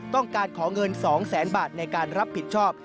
ต้องการขอเงิน๒แสนบาทในการรับผิดชอบ